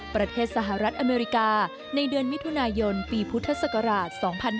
ประเทศสหรัฐอเมริกาในเดือนมิถุนายนปีพุทธศักราช๒๕๕๙